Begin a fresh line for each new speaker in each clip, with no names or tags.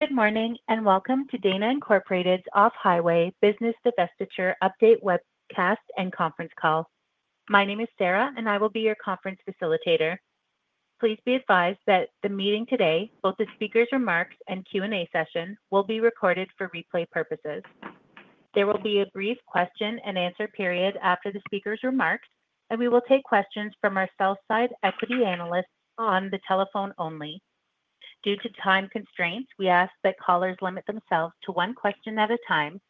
Good morning and welcome to Dana Incorporated's Off-Highway Business Divestiture Update webcast and conference call. My name is Sarah, and I will be your conference facilitator. Please be advised that the meeting today, both the speaker's remarks and Q&A session, will be recorded for replay purposes. There will be a brief Q&A period after the speaker's remarks, and we will take questions from our sell-side equity analysts on the telephone only. Due to time constraints, we ask that callers limit themselves to one question at a time.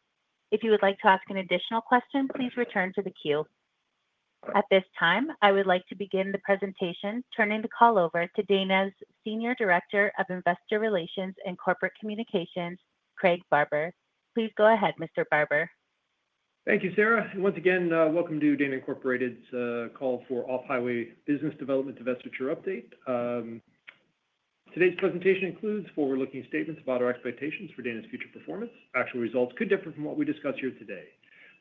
If you would like to ask an additional question, please return to the queue. At this time, I would like to begin the presentation, turning the call over to Dana's Senior Director of Investor Relations and Corporate Communications, Craig Barber. Please go ahead, Mr. Barber.
Thank you, Sarah. Once again, welcome to Dana Incorporated's call for Off-Highway Business Development Divestiture Update. Today's presentation includes forward-looking statements about our expectations for Dana's future performance. Actual results could differ from what we discuss here today.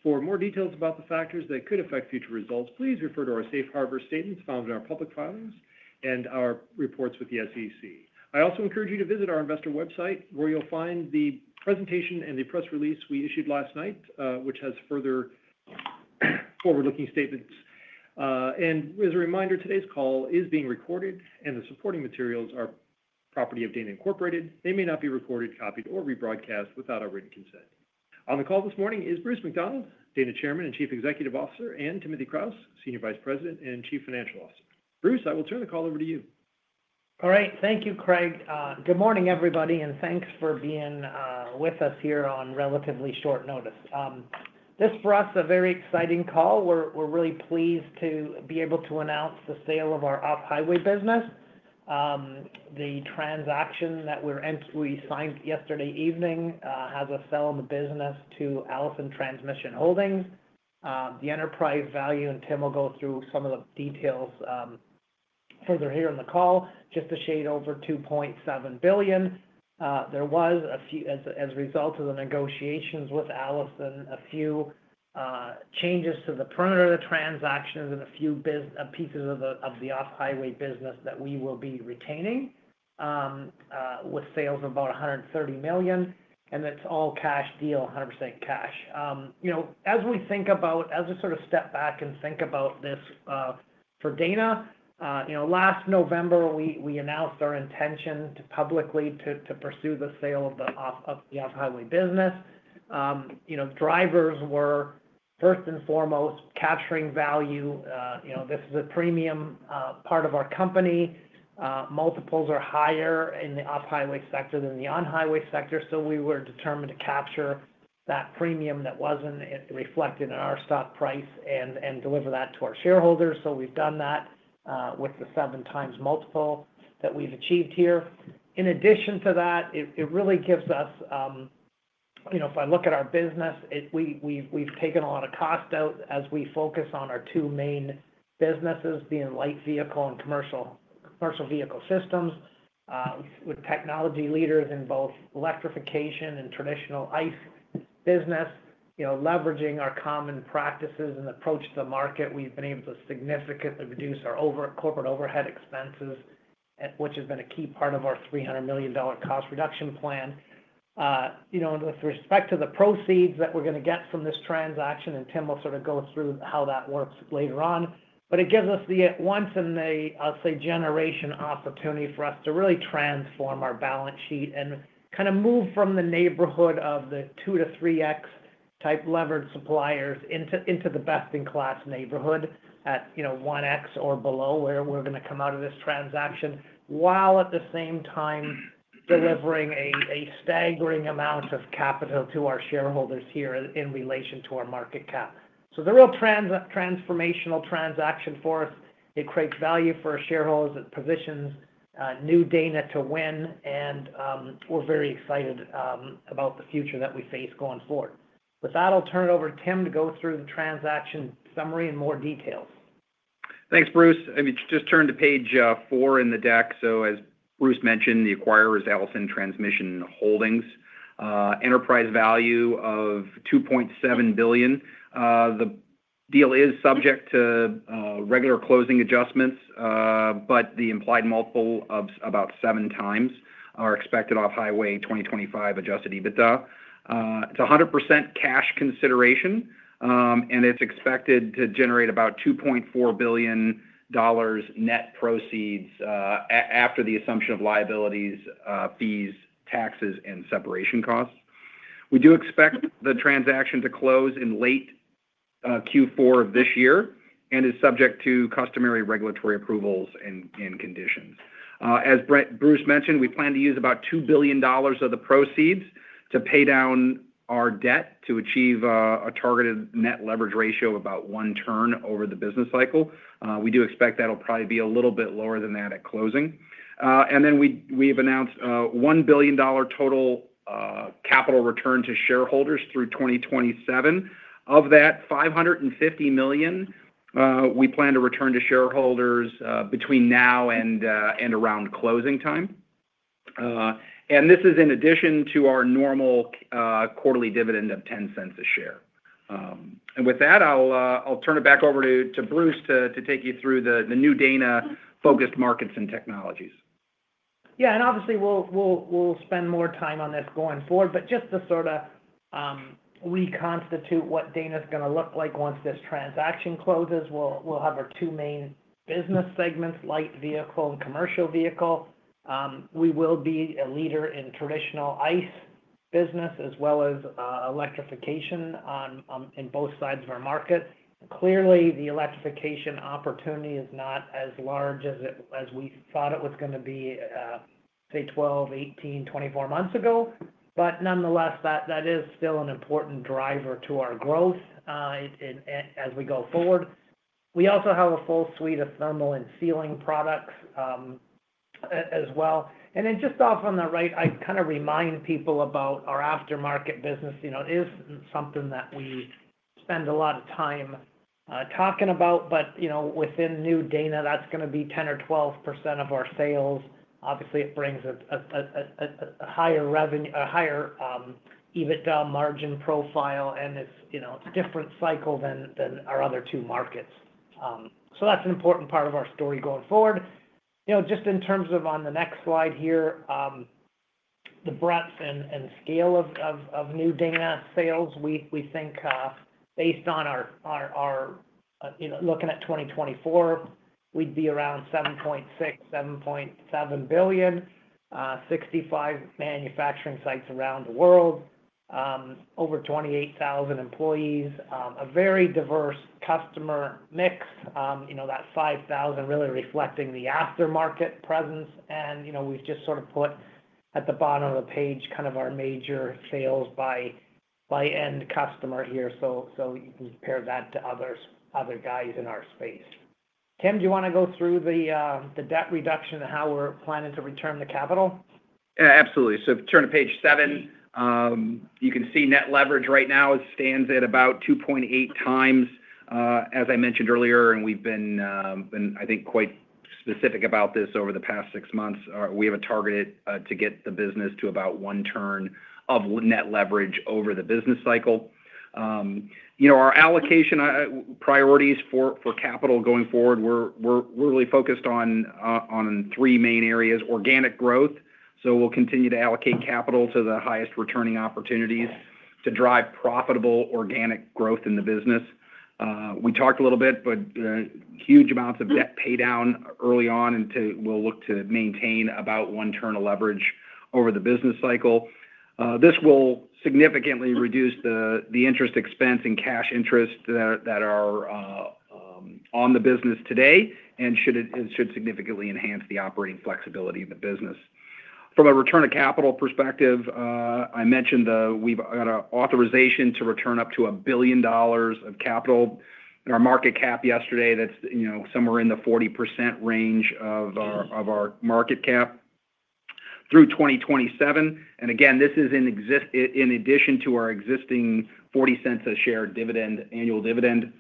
For more details about the factors that could affect future results, please refer to our safe harbor statements found in our public filings and our reports with the SEC. I also encourage you to visit our investor website, where you'll find the presentation and the press release we issued last night, which has further forward-looking statements. As a reminder, today's call is being recorded, and the supporting materials are property of Dana Incorporated. They may not be recorded, copied, or rebroadcast without our written consent. On the call this morning is Bruce McDonald, Dana Chairman and Chief Executive Officer, and Timothy Kraus, Senior Vice President and Chief Financial Officer.Bruce, I will turn the call over to you.
All right. Thank you, Craig. Good morning, everybody, and thanks for being with us here on relatively short notice. This for us is a very exciting call. We're really pleased to be able to announce the sale of our Off-Highway business. The transaction that we signed yesterday evening has us selling the business to Allison Transmission Holdings. The enterprise value, and Tim will go through some of the details further here in the call, just a shade over $2.7 billion. There was, as a result of the negotiations with Allison, a few changes to the perimeter of the transaction and a few pieces of the Off-Highway business that we will be retaining with sales of about $130 million, and it's an all-cash deal, 100% cash. As we think about, as we sort of step back and think about this for Dana, last November, we announced our intention publicly to pursue the sale of the Off-Highway business. Drivers were first and foremost capturing value. This is a premium part of our company. Multiples are higher in the Off-Highway sector than the On-Highway sector, so we were determined to capture that premium that was not reflected in our stock price and deliver that to our shareholders. We have done that with the 7x multiple that we have achieved here. In addition to that, it really gives us, if I look at our business, we have taken a lot of cost out as we focus on our two main businesses, being Light Vehicle and Commercial Vehicle Systems. With technology leaders in both electrification and traditional ICE business, leveraging our common practices and approach to the market, we've been able to significantly reduce our corporate overhead expenses, which has been a key part of our $300 million cost reduction plan. With respect to the proceeds that we're going to get from this transaction, and Tim will sort of go through how that works later on, but it gives us the at-once and the, I'll say, generation opportunity for us to really transform our balance sheet and kind of move from the neighborhood of the 2x-3x type levered suppliers into the best-in-class neighborhood at 1x or below where we're going to come out of this transaction while at the same time delivering a staggering amount of capital to our shareholders here in relation to our market cap. It is a real transformational transaction for us. It creates value for our shareholders that positions new Dana to win, and we're very excited about the future that we face going forward. With that, I'll turn it over to Tim to go through the transaction summary in more details.
Thanks, Bruce. I mean, just turned to page four in the deck. As Bruce mentioned, the acquirer is Allison Transmission Holdings. Enterprise value of $2.7 billion. The deal is subject to regular closing adjustments, but the implied multiple of about 7x our expected Off-Highway 2025 adjusted EBITDA. It's a 100% cash consideration, and it's expected to generate about $2.4 billion net proceeds after the assumption of liabilities, fees, taxes, and separation costs. We do expect the transaction to close in late Q4 of this year and is subject to customary regulatory approvals and conditions. As Bruce mentioned, we plan to use about $2 billion of the proceeds to pay down our debt to achieve a targeted net leverage ratio of about one turn over the business cycle. We do expect that'll probably be a little bit lower than that at closing. We have announced a $1 billion total capital return to shareholders through 2027. Of that, $550 million we plan to return to shareholders between now and around closing time. This is in addition to our normal quarterly dividend of $0.10 a share. With that, I will turn it back over to Bruce to take you through the new Dana-focused markets and technologies.
Yeah. Obviously, we'll spend more time on this going forward, but just to sort of reconstitute what Dana's going to look like once this transaction closes, we'll have our two main business segments, Light Vehicle and Commercial Vehicle. We will be a leader in traditional ICE business as well as electrification on both sides of our market. Clearly, the electrification opportunity is not as large as we thought it was going to be, say, 12, 18, 24 months ago, but nonetheless, that is still an important driver to our growth as we go forward. We also have a full suite of Thermal and Sealing Products as well. Just off on the right, I kind of remind people about our Aftermarket business. It is something that we spend a lot of time talking about, but within new Dana, that's going to be 10% or 12% of our sales. Obviously, it brings a higher EBITDA margin profile, and it's a different cycle than our other two markets. That is an important part of our story going forward. Just in terms of on the next slide here, the breadth and scale of new Dana sales, we think based on our looking at 2024, we'd be around $7.6 billion, $7.7 billion, 65 manufacturing sites around the world, over 28,000 employees, a very diverse customer mix, that 5,000 really reflecting the aftermarket presence. We have just sort of put at the bottom of the page kind of our major sales by end customer here, so you can compare that to other guys in our space. Tim, do you want to go through the debt reduction and how we're planning to return the capital?
Yeah, absolutely. Turn to page seven. You can see net leverage right now stands at about 2.8x, as I mentioned earlier, and we've been, I think, quite specific about this over the past six months. We have a target to get the business to about one turn of net leverage over the business cycle. Our allocation priorities for capital going forward, we're really focused on three main areas: organic growth, so we'll continue to allocate capital to the highest returning opportunities to drive profitable organic growth in the business. We talked a little bit, but huge amounts of debt paydown early on, and we'll look to maintain about one turn of leverage over the business cycle. This will significantly reduce the interest expense and cash interest that are on the business today and should significantly enhance the operating flexibility of the business. From a return of capital perspective, I mentioned we've got an authorization to return up to $1 billion of capital. Our market cap yesterday, that's somewhere in the 40% range of our market cap through 2027. This is in addition to our existing $0.40 a share annual dividend.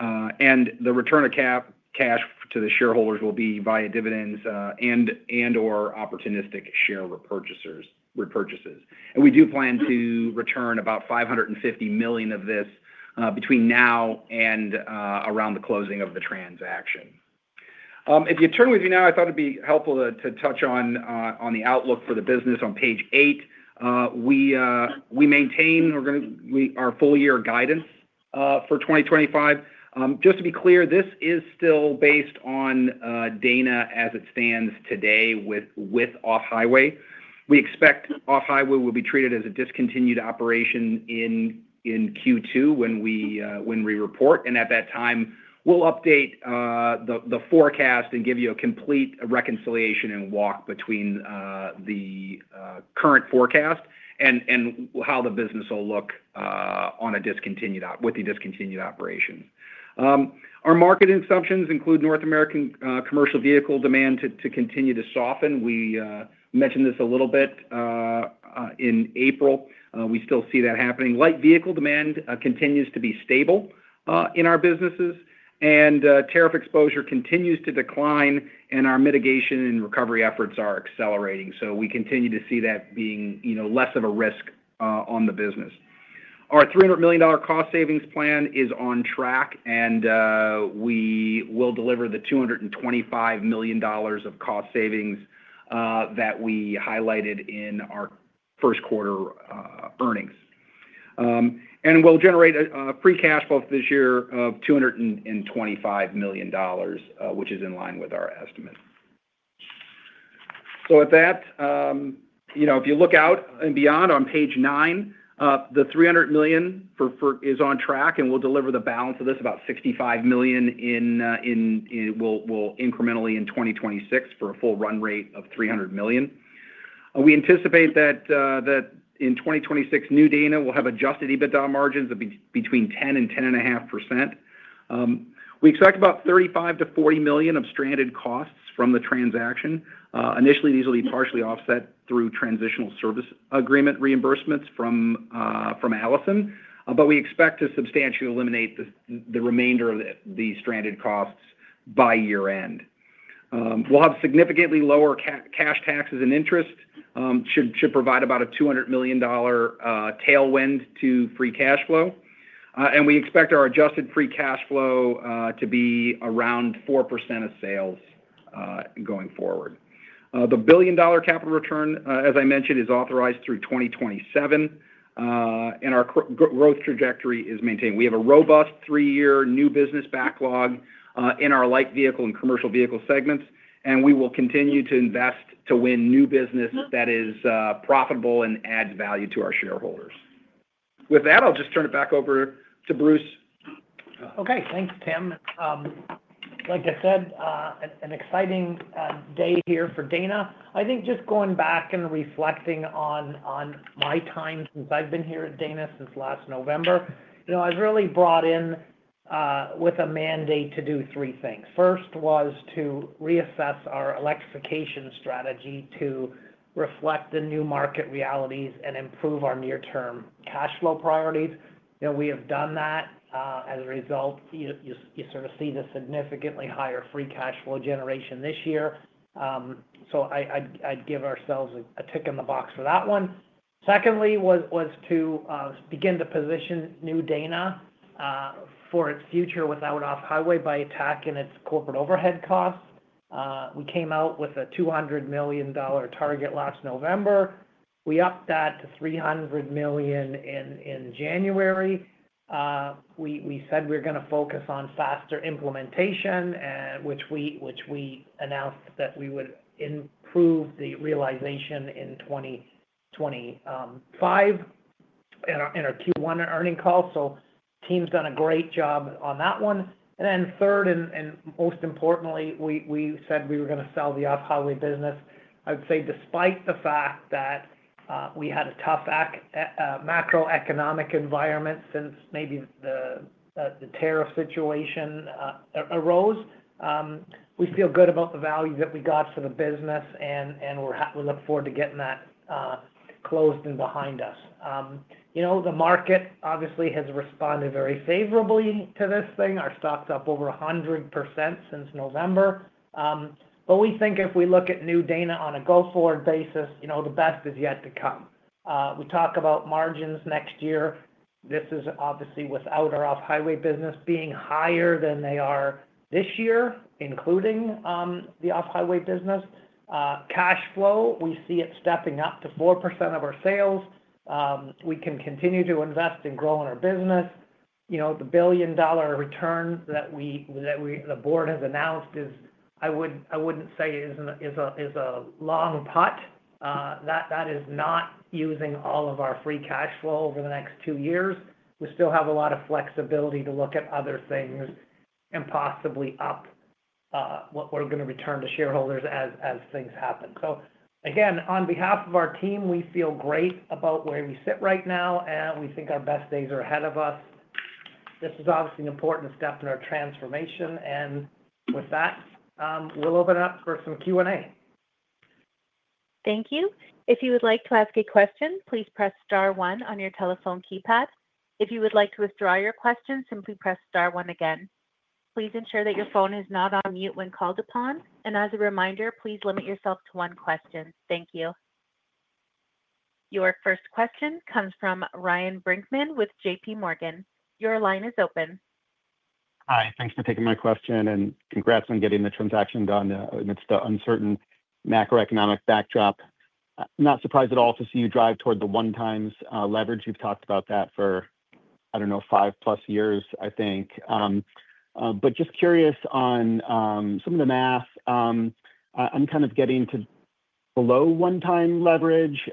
The return of cash to the shareholders will be via dividends and/or opportunistic share repurchases. We do plan to return about $550 million of this between now and around the closing of the transaction. If you turn with me now, I thought it'd be helpful to touch on the outlook for the business on page eight. We maintain our full-year guidance for 2025. Just to be clear, this is still based on Dana as it stands today with Off-Highway. We expect Off-Highway will be treated as a discontinued operation in Q2 when we report. At that time, we'll update the forecast and give you a complete reconciliation and walk between the current forecast and how the business will look with the discontinued operation. Our market assumptions include North American commercial vehicle demand to continue to soften. We mentioned this a little bit in April. We still see that happening. Light vehicle demand continues to be stable in our businesses, and tariff exposure continues to decline, and our mitigation and recovery efforts are accelerating. We continue to see that being less of a risk on the business. Our $300 million cost savings plan is on track, and we will deliver the $225 million of cost savings that we highlighted in our first quarter earnings. We'll generate a free cash flow this year of $225 million, which is in line with our estimate. With that, if you look out and beyond on page nine, the $300 million is on track, and we will deliver the balance of this, about $65 million, incrementally in 2026 for a full run rate of $300 million. We anticipate that in 2026, new Dana will have adjusted EBITDA margins between 10%-10.5%. We expect about $35 million-$40 million of stranded costs from the transaction. Initially, these will be partially offset through transitional service agreement reimbursements from Allison, but we expect to substantially eliminate the remainder of the stranded costs by year-end. We will have significantly lower cash taxes and interest should provide about a $200 million tailwind to free cash flow. We expect our adjusted free cash flow to be around 4% of sales going forward. The billion-dollar capital return, as I mentioned, is authorized through 2027, and our growth trajectory is maintained. We have a robust three-year new business backlog in our Light Vehicle and Commercial Vehicle segments, and we will continue to invest to win new business that is profitable and adds value to our shareholders. With that, I'll just turn it back over to Bruce.
Okay. Thanks, Tim. Like I said, an exciting day here for Dana. I think just going back and reflecting on my time since I've been here at Dana since last November, I've really brought in with a mandate to do three things. First was to reassess our electrification strategy to reflect the new market realities and improve our near-term cash flow priorities. We have done that. As a result, you sort of see the significantly higher free cash flow generation this year. I'd give ourselves a tick in the box for that one. Secondly was to begin to position new Dana for its future without Off-Highway by attacking its corporate overhead costs. We came out with a $200 million target last November. We upped that to $300 million in January. We said we're going to focus on faster implementation, which we announced that we would improve the realization in 2025 in our Q1 earnings call. Tim's done a great job on that one. Third, and most importantly, we said we were going to sell the Off-Highway business. I'd say despite the fact that we had a tough macroeconomic environment since maybe the tariff situation arose, we feel good about the value that we got for the business, and we look forward to getting that closed and behind us. The market obviously has responded very favorably to this thing. Our stock's up over 100% since November. We think if we look at new Dana on a go-forward basis, the best is yet to come. We talk about margins next year. This is obviously without our Off-Highway business being higher than they are this year, including the Off-Highway business. Cash flow, we see it stepping up to 4% of our sales. We can continue to invest and grow in our business. The billion-dollar return that the board has announced is, I would not say, is a long putt. That is not using all of our free cash flow over the next two years. We still have a lot of flexibility to look at other things and possibly up what we are going to return to shareholders as things happen. Again, on behalf of our team, we feel great about where we sit right now, and we think our best days are ahead of us. This is obviously an important step in our transformation. With that, we will open it up for some Q&A.
Thank you. If you would like to ask a question, please press star one on your telephone keypad. If you would like to withdraw your question, simply press star one again. Please ensure that your phone is not on mute when called upon. As a reminder, please limit yourself to one question. Thank you. Your first question comes from Ryan Brinkman with JPMorgan. Your line is open.
Hi. Thanks for taking my question, and congrats on getting the transaction done amidst the uncertain macroeconomic backdrop. Not surprised at all to see you drive toward the 1x leverage. You've talked about that for, I don't know, 5+ years, I think. Just curious on some of the math. I'm kind of getting to below 1x leverage,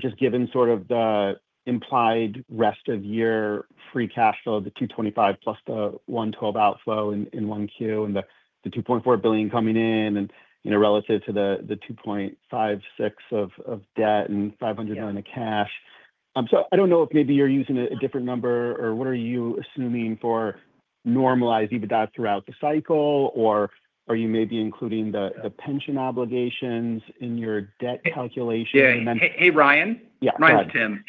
just given sort of the implied rest of year free cash flow, the $225 million plus the $112 million outflow in 1Q, and the $2.4 billion coming in relative to the $2.56 billion of debt and $500 million of cash. I don't know if maybe you're using a different number, or what are you assuming for normalized EBITDA throughout the cycle, or are you maybe including the pension obligations in your debt calculation?
Yeah. Hey, Ryan?
Yeah. Hi, Tim.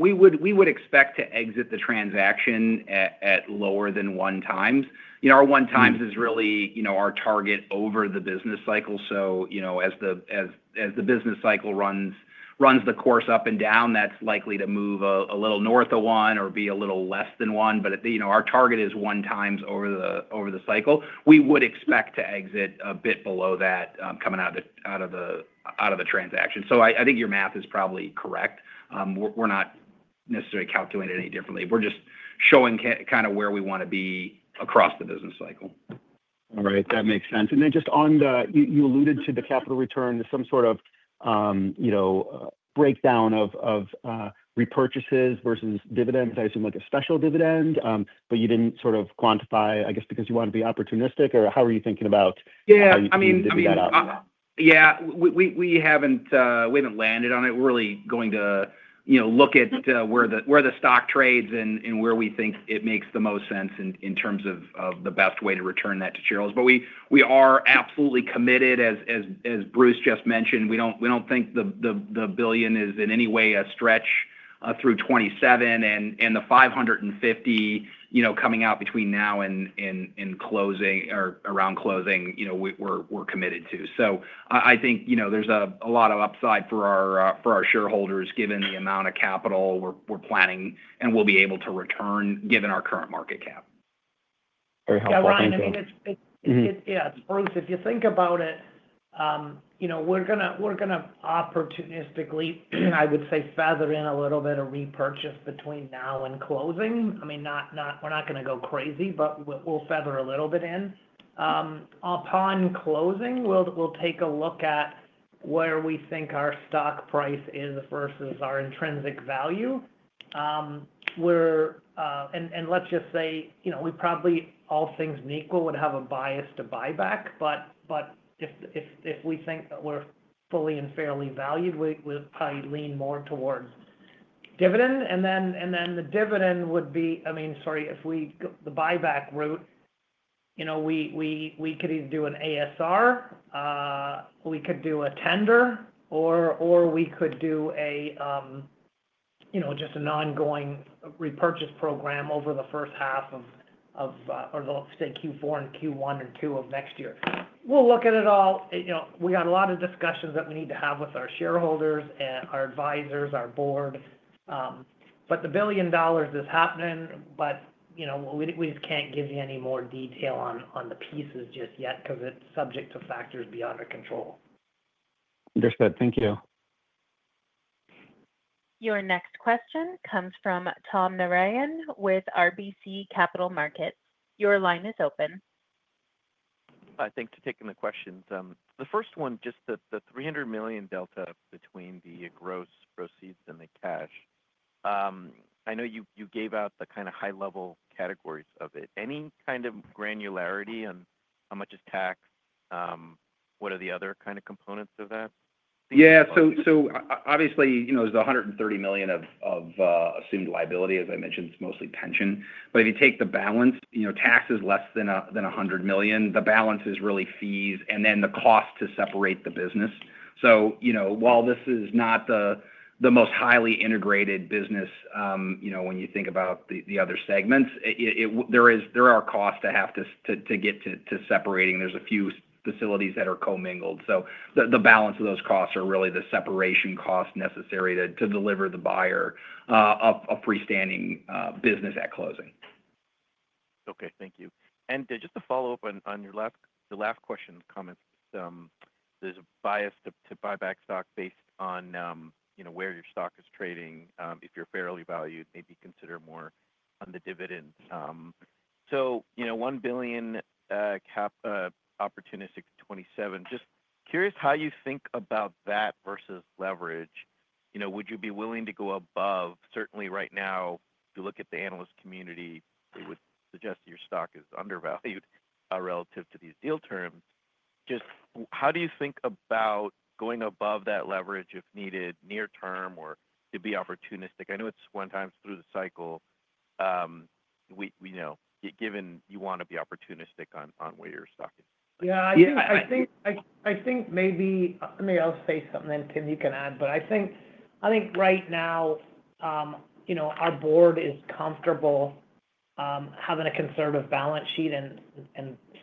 We would expect to exit the transaction at lower than 1x. 1x is really our target over the business cycle. As the business cycle runs the course up and down, that is likely to move a little north of one or be a little less than one. Our target is 1x over the cycle. We would expect to exit a bit below that coming out of the transaction. I think your math is probably correct. We are not necessarily calculating any differently. We are just showing kind of where we want to be across the business cycle.
All right. That makes sense. And then just on the, you alluded to the capital return, some sort of breakdown of repurchases versus dividends. I assume like a special dividend, but you did not sort of quantify, I guess, because you want to be opportunistic, or how are you thinking about how you can do that?
Yeah. I mean, yeah, we have not landed on it. We are really going to look at where the stock trades and where we think it makes the most sense in terms of the best way to return that to shareholders. We are absolutely committed, as Bruce just mentioned. We do not think the billion is in any way a stretch through 2027, and the $550 million coming out between now and around closing, we are committed to. I think there is a lot of upside for our shareholders given the amount of capital we are planning and will be able to return given our current market cap.
Very helpful. Thank you.
Yeah. I mean, yeah, It's Bruce, if you think about it, we're going to opportunistically, I would say, feather in a little bit of repurchase between now and closing. I mean, we're not going to go crazy, but we'll feather a little bit in. Upon closing, we'll take a look at where we think our stock price is versus our intrinsic value. Let's just say we probably, all things equal, would have a bias to buyback. If we think we're fully and fairly valued, we'll probably lean more towards dividend. If we go the buyback route, we could either do an ASR, we could do a tender, or we could do just an ongoing repurchase program over the first half of, or let's say, Q4 and Q1 and Q2 of next year. We'll look at it all. We got a lot of discussions that we need to have with our shareholders and our advisors, our board. The billion dollars is happening, but we just can't give you any more detail on the pieces just yet because it's subject to factors beyond our control.
Understood. Thank you.
Your next question comes from Tom Narayan with RBC Capital Markets. Your line is open.
Thanks for taking the questions, the first one, just the $300 million delta between the gross proceeds and the cash. I know you gave out the kind of high-level categories of it. Any kind of granularity on how much is tax? What are the other kind of components of that?
Yeah. So obviously, there's $130 million of assumed liability, as I mentioned, it's mostly pension. If you take the balance, tax is less than $100 million. The balance is really fees and then the cost to separate the business. While this is not the most highly integrated business when you think about the other segments, there are costs to have to get to separating. There are a few facilities that are co-mingled. The balance of those costs are really the separation cost necessary to deliver the buyer a freestanding business at closing.
Okay. Thank you. Just to follow up on your last question, comments, there is a bias to buy back stock based on where your stock is trading. If you are fairly valued, maybe consider more on the dividend. So $1 billion opportunistic 2027. Just curious how you think about that versus leverage. Would you be willing to go above? Certainly right now, if you look at the analyst community, they would suggest that your stock is undervalued relative to these deal terms. Just how do you think about going above that leverage if needed near-term or to be opportunistic? I know it is one time through the cycle. Given you want to be opportunistic on where your stock is.
Yeah. I think maybe I'll say something, then Tim, you can add. I think right now, our board is comfortable having a conservative balance sheet, and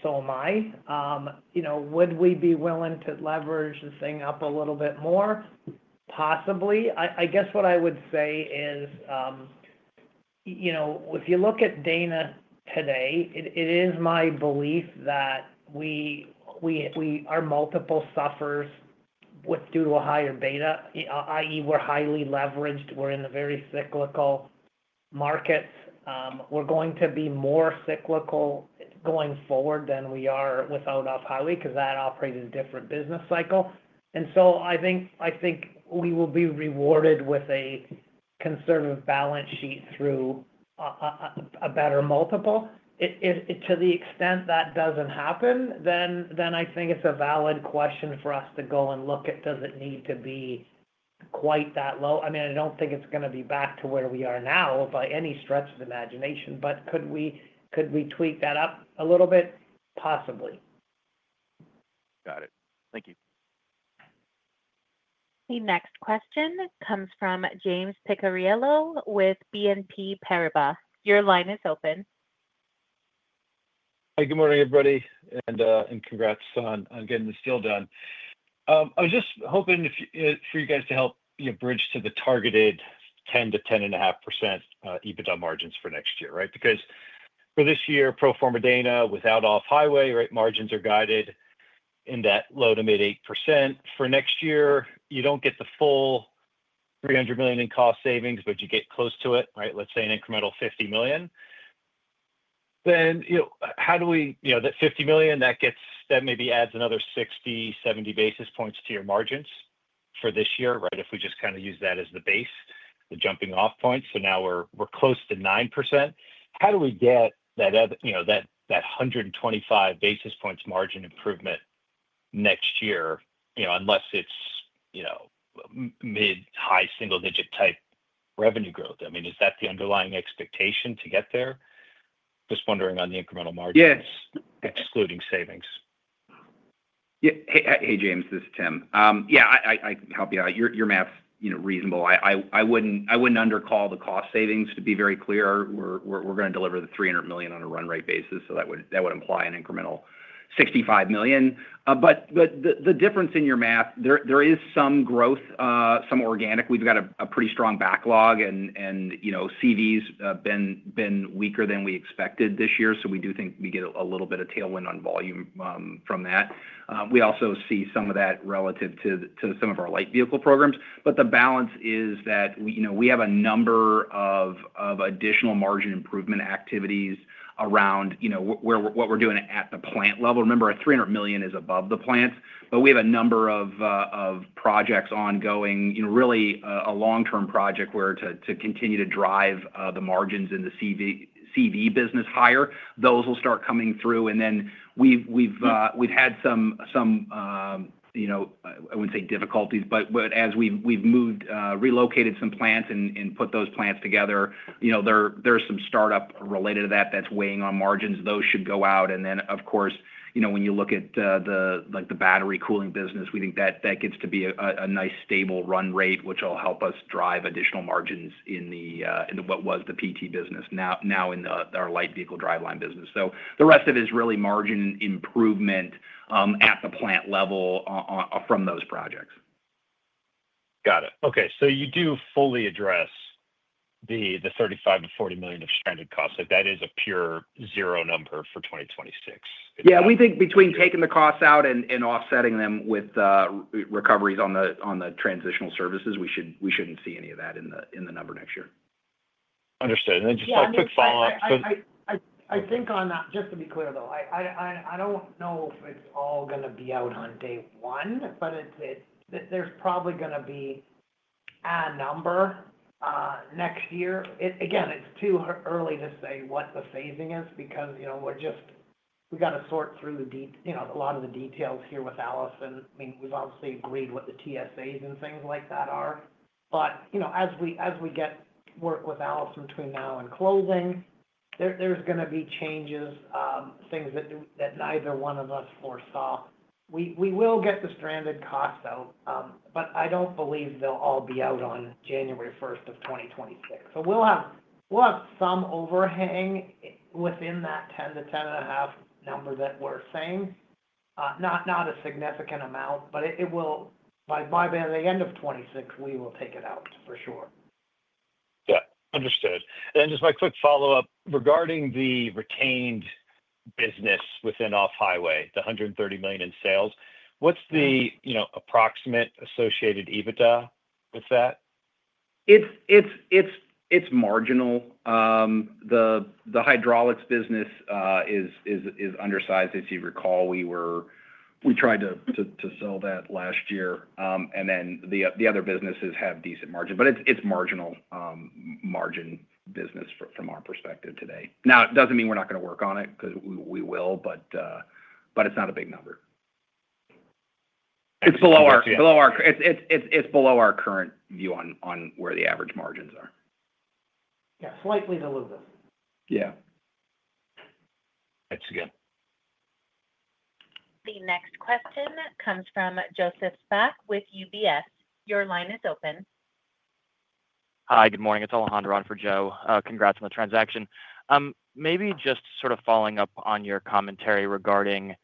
so am I. Would we be willing to leverage the thing up a little bit more? Possibly. I guess what I would say is if you look at Dana today, it is my belief that our multiple suffers due to a higher beta, i.e., we're highly leveraged. We're in the very cyclical markets. We're going to be more cyclical going forward than we are with Off-Highway because that operates in a different business cycle. I think we will be rewarded with a conservative balance sheet through a better multiple. To the extent that doesn't happen, then I think it's a valid question for us to go and look at, does it need to be quite that low? I mean, I do not think it is going to be back to where we are now by any stretch of the imagination, but could we tweak that up a little bit? Possibly.
Got it. Thank you.
The next question comes from James Picariello with BNP Paribas. Your line is open.
Hi. Good morning, everybody. Congrats on getting this deal done. I was just hoping for you guys to help bridge to the targeted 10%-10.5% EBITDA margins for next year, right? Because for this year, pro forma Dana without Off-Highway, right, margins are guided in that low to mid 8%. For next year, you do not get the full $300 million in cost savings, but you get close to it, right? Let's say an incremental $50 million. How do we, that $50 million, that maybe adds another 60-70 basis points to your margins for this year, right? If we just kind of use that as the base, the jumping-off point. Now we are close to 9%. How do we get that 125 basis points margin improvement next year unless it is mid, high single-digit type revenue growth? I mean, is that the underlying expectation to get there? Just wondering on the incremental margins. Excluding savings.
Hey, James. This is Tim. Yeah, I can help you out. Your math's reasonable. I wouldn't undercall the cost savings. To be very clear, we're going to deliver the $300 million on a run rate basis. That would imply an incremental $65 million. The difference in your math, there is some growth, some organic. We've got a pretty strong backlog, and CVs have been weaker than we expected this year. We do think we get a little bit of tailwind on volume from that. We also see some of that relative to some of our Light Vehicle programs. The balance is that we have a number of additional margin improvement activities around what we're doing at the plant level. Remember, our $300 million is above the plant. We have a number of projects ongoing, really a long-term project where we continue to drive the margins in the CV business higher. Those will start coming through. We have had some, I would not say difficulties, but as we have relocated some plants and put those plants together, there is some startup related to that that is weighing on margins. Those should go out. When you look at the battery cooling business, we think that gets to be a nice stable run rate, which will help us drive additional margins in what was the PT business, now in our Light Vehicle Driveline business. The rest of it is really margin improvement at the plant level from those projects.
Got it. Okay. So you do fully address the $35million and $40 million of stranded costs. That is a pure zero number for 2026.
Yeah. We think between taking the costs out and offsetting them with recoveries on the transitional services, we shouldn't see any of that in the number next year.
Understood. And then just a quick follow-up.
I think on that, just to be clear, though, I do not know if it is all going to be out on day one, but there is probably going to be a number next year. Again, it is too early to say what the phasing is because we have got to sort through a lot of the details here with Allison. I mean, we have obviously agreed what the TSAs and things like that are. As we get work with Allison between now and closing, there is going to be changes, things that neither one of us foresaw. We will get the stranded costs out, but I do not believe they will all be out on January 1st of 2026. We will have some overhang within that 10-10.5 number that we are saying. Not a significant amount, but by the end of 2026, we will take it out for sure.
Yeah. Understood. Just my quick follow-up regarding the retained business within Off-Highway, the $130 million in sales. What's the approximate associated EBITDA with that?
It's marginal. The Hydraulics Business is undersized. As you recall, we tried to sell that last year. The other businesses have decent margins. It is marginal margin business from our perspective today. It does not mean we are not going to work on it because we will, but it is not a big number. It's below our current view on where the average margins are.
Yeah. Slightly below this.
Yeah.
Thanks again.
The next question comes from Joseph Spak with UBS. Your line is open. Hi. Good morning. It's Alejandro on for Joe. Congrats on the transaction. Maybe just sort of following up on your commentary regarding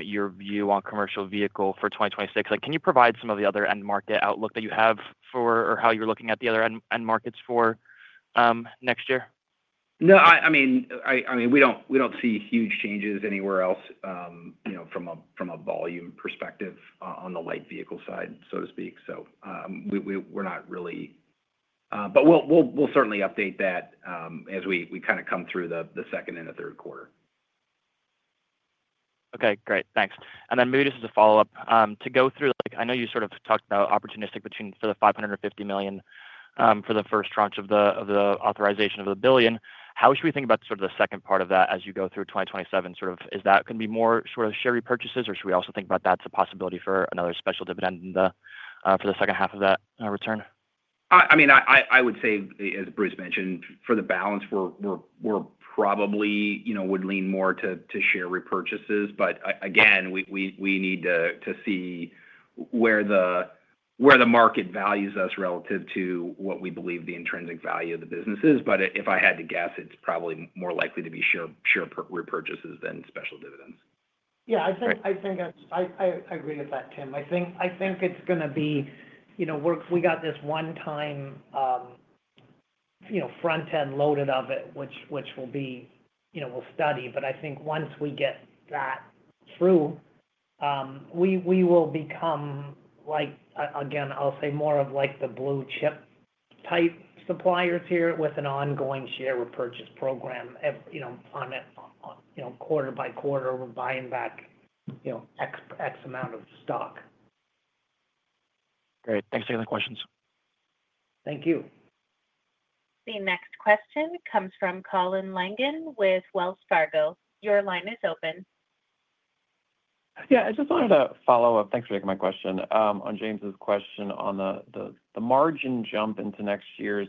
your view on Commercial Vehicle for 2026, can you provide some of the other end market outlook that you have for or how you're looking at the other end markets for next year?
No. I mean, we do not see huge changes anywhere else from a volume perspective on the Light Vehicle side, so to speak. We are not really—but we will certainly update that as we kind of come through the second and the third quarter. Okay. Great. Thanks. Moving to the follow-up, to go through, I know you sort of talked about opportunistic for the $550 million for the first tranche of the authorization of the $1 billion. How should we think about sort of the second part of that as you go through 2027? Is that going to be more share repurchases, or should we also think about that as a possibility for another special dividend for the second half of that return? I mean, I would say, as Bruce mentioned, for the balance, we probably would lean more to share repurchases. Again, we need to see where the market values us relative to what we believe the intrinsic value of the business is. If I had to guess, it is probably more likely to be share repurchases than special dividends.
Yeah. I think I agree with that, Tim. I think it's going to be—we got this one-time front-end loaded of it, which will be—we'll study. I think once we get that through, we will become, again, I'll say more of the blue chip type suppliers here with an ongoing share repurchase program on it quarter by quarter, buying back X amount of stock. Great. Thanks for taking the questions. Thank you.
The next question comes from Colin Langan with Wells Fargo. Your line is open.
Yeah. I just wanted to follow up—thanks for taking my question—on James' question on the margin jump into next year.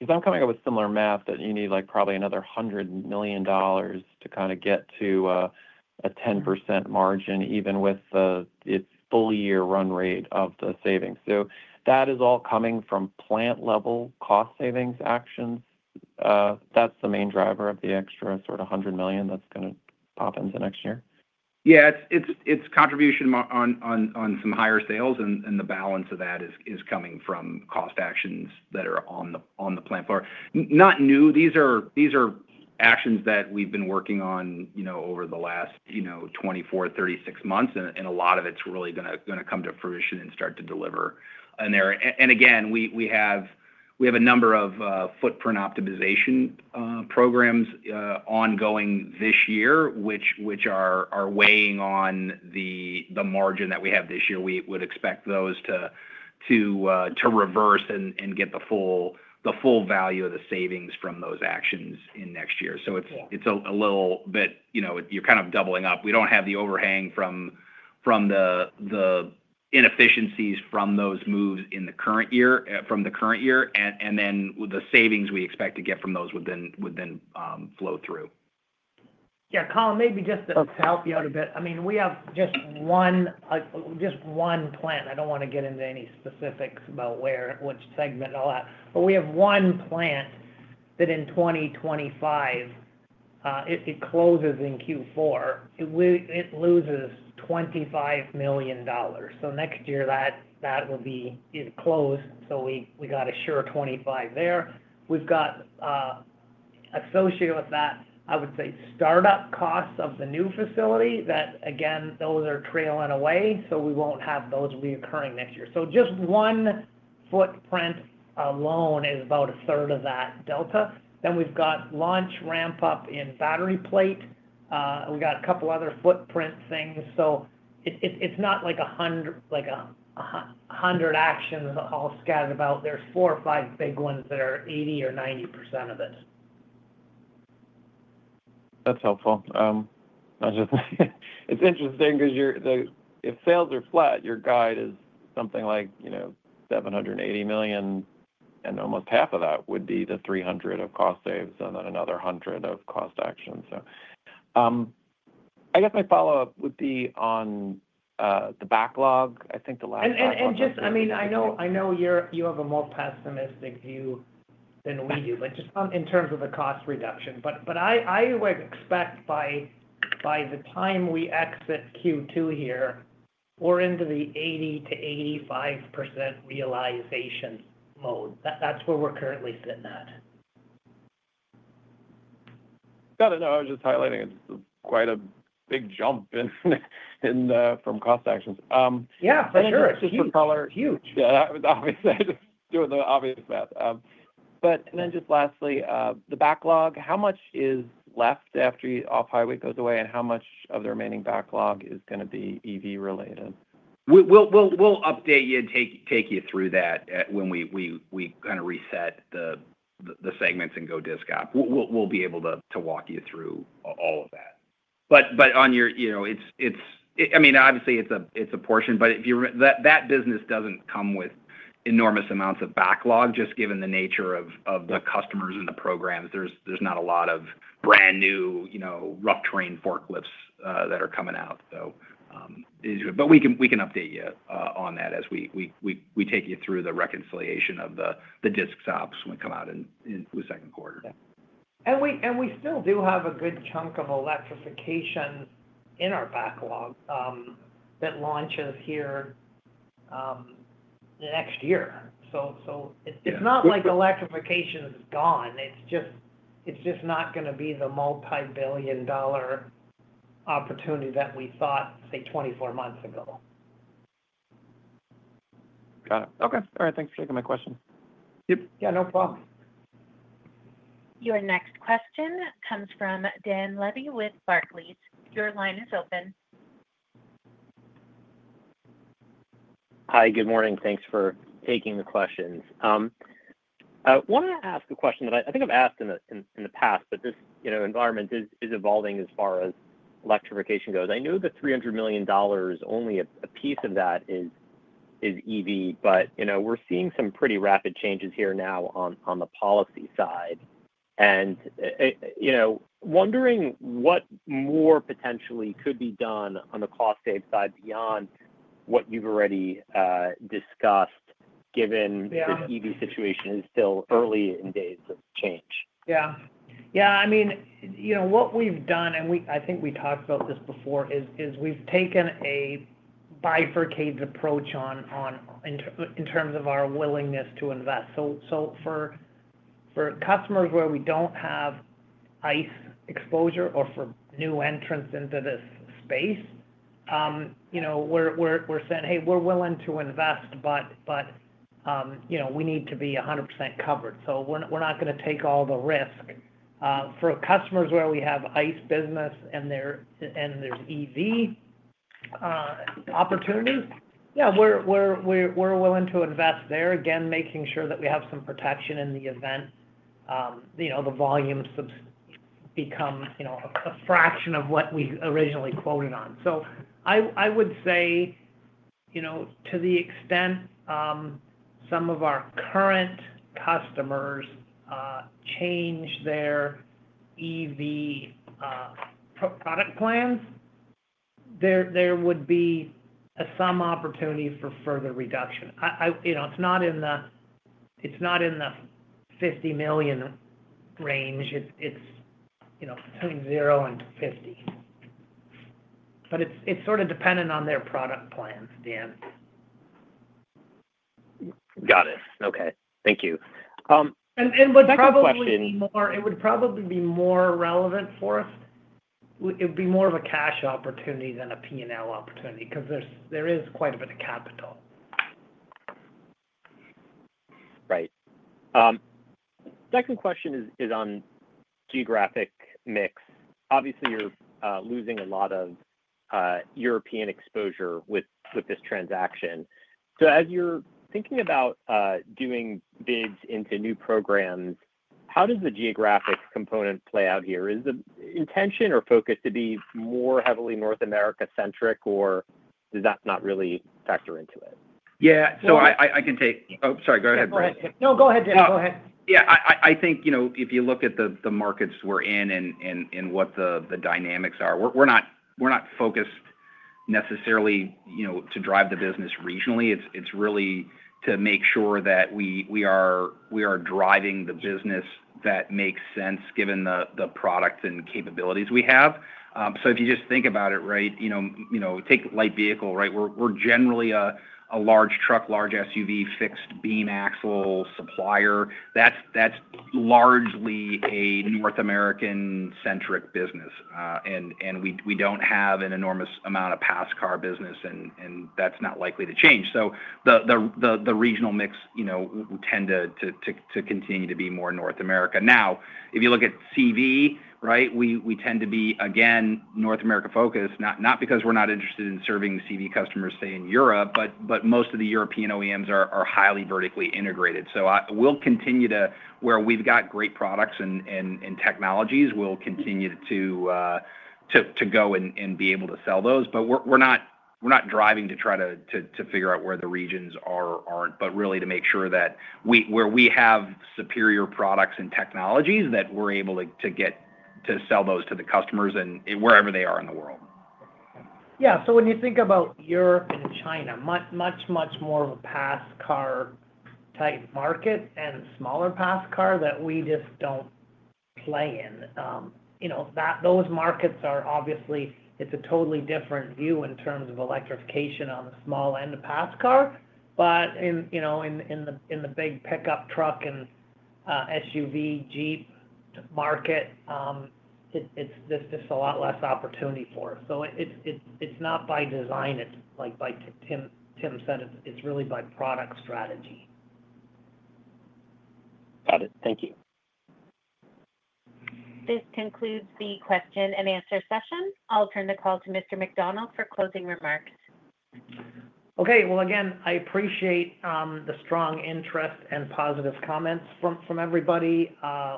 If I'm coming up with similar math, that you need probably another $100 million to kind of get to a 10% margin, even with its full year run rate of the savings. That is all coming from plant-level cost savings actions. That is the main driver of the extra sort of $100 million that is going to pop into next year?
Yeah. It's contribution on some higher sales, and the balance of that is coming from cost actions that are on the plant floor. Not new. These are actions that we've been working on over the last 24, 36 months, and a lot of it's really going to come to fruition and start to deliver in there. We have a number of footprint optimization programs ongoing this year, which are weighing on the margin that we have this year. We would expect those to reverse and get the full value of the savings from those actions in next year. It's a little bit—you are kind of doubling up. We do not have the overhang from the inefficiencies from those moves in the current year. The savings we expect to get from those would then flow through.
Yeah. Colin, maybe just to help you out a bit. I mean, we have just one plant. I do not want to get into any specifics about which segment and all that. We have one plant that in 2025, it closes in Q4. It loses $25 million. Next year, that will be closed. We got a sure $25 million there. We have associated with that, I would say, startup costs of the new facility that, again, those are trailing away. We will not have those reoccurring next year. Just one footprint alone is about a third of that delta. We have launch ramp-up in battery plate. We have a couple other footprint things. It is not like 100 actions all scattered about. There are four or five big ones that are 80% or 90% of it.
That's helpful. It's interesting because if sales are flat, your guide is something like $780 million, and almost half of that would be the $300 million of cost saves and then another $100 million of cost actions. I guess my follow-up would be on the backlog. I think the last question.
I mean, I know you have a more pessimistic view than we do, but just in terms of the cost reduction. I would expect by the time we exit Q2 here, we're into the 80%-85% realization mode. That's where we're currently sitting at.
Got it. No. I was just highlighting it. It is quite a big jump from cost actions.
Yeah. For sure. It's huge.
Yeah. Obviously, I was just doing the obvious math. But then just lastly, the backlog, how much is left after Off-Highway goes away, and how much of the remaining backlog is going to be EV-related?
will update you and take you through that when we kind of reset the segments and go disc up. We will be able to walk you through all of that. On your—I mean, obviously, it is a portion. That business does not come with enormous amounts of backlog, just given the nature of the customers and the programs. There are not a lot of brand new rough terrain forklifts that are coming out. We can update you on that as we take you through the reconciliation of the disc stops when we come out in the second quarter.
We still do have a good chunk of electrification in our backlog that launches here next year. It is not like electrification is gone. It is just not going to be the multi-billion dollar opportunity that we thought, say, 24 months ago.
Got it. Okay. All right. Thanks for taking my question.
Yep.
Yeah. No problem.
Your next question comes from Dan Levy with Barclays. Your line is open.
Hi. Good morning. Thanks for taking the questions. I want to ask a question that I think I've asked in the past, but this environment is evolving as far as electrification goes. I knew the $300 million—only a piece of that is EV. We are seeing some pretty rapid changes here now on the policy side. Wondering what more potentially could be done on the cost-save side beyond what you've already discussed, given the EV situation is still early in days of change.
Yeah. Yeah. I mean, what we've done, and I think we talked about this before, is we've taken a bifurcated approach in terms of our willingness to invest. For customers where we do not have ICE exposure or for new entrants into this space, we are saying, "Hey, we are willing to invest, but we need to be 100% covered." We are not going to take all the risk. For customers where we have ICE business and there are EV opportunities, yeah, we are willing to invest there, again, making sure that we have some protection in the event the volume becomes a fraction of what we originally quoted on. I would say to the extent some of our current customers change their EV product plans, there would be some opportunity for further reduction. It is not in the 50 million range. It is between 0 and 50. It is sort of dependent on their product plans, Dan.
Got it. Okay. Thank you.
It would probably be more relevant for us. It would be more of a cash opportunity than a P&L opportunity because there is quite a bit of capital.
Right. Second question is on geographic mix. Obviously, you're losing a lot of European exposure with this transaction. As you're thinking about doing bids into new programs, how does the geographic component play out here? Is the intention or focus to be more heavily North America-centric, or does that not really factor into it?
Yeah. I can take—oh, sorry. Go ahead, Bruce.
No, go ahead, Tim. Go ahead.
Yeah. I think if you look at the markets we're in and what the dynamics are, we're not focused necessarily to drive the business regionally. It's really to make sure that we are driving the business that makes sense given the product and capabilities we have. If you just think about it, right, take Light Vehicle, right? We're generally a large truck, large SUV, fixed beam axle supplier. That's largely a North American-centric business. We don't have an enormous amount of pass car business, and that's not likely to change. The regional mix will tend to continue to be more North America. Now, if you look at CV, right, we tend to be, again, North America-focused, not because we're not interested in serving CV customers, say, in Europe, but most of the European OEMs are highly vertically integrated. We will continue to, where we have great products and technologies, continue to go and be able to sell those. We are not driving to try to figure out where the regions are not, but really to make sure that where we have superior products and technologies, we are able to get to sell those to the customers wherever they are in the world.
Yeah. When you think about Europe and China, much, much more of a pass car type market and smaller pass car that we just do not play in. Those markets are obviously, it is a totally different view in terms of electrification on the small end of pass car. In the big pickup truck and SUV Jeep market, it is just a lot less opportunity for us. It is not by design. It is like Tim said, it is really by product strategy.
Got it. Thank you.
This concludes the Q&A session. I'll turn the call to Mr. McDonald for closing remarks.
Okay. Again, I appreciate the strong interest and positive comments from everybody.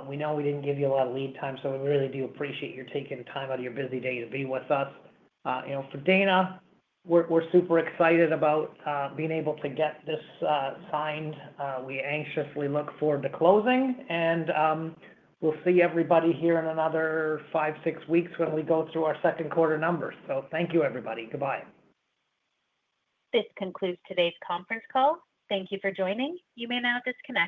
We know we did not give you a lot of lead time, so we really do appreciate your taking time out of your busy day to be with us. For Dana, we are super excited about being able to get this signed. We anxiously look forward to closing. We will see everybody here in another five, six weeks when we go through our second quarter numbers. Thank you, everybody. Goodbye.
This concludes today's conference call. Thank you for joining. You may now disconnect.